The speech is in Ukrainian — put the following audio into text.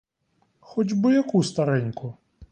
Хоч би яку стареньку?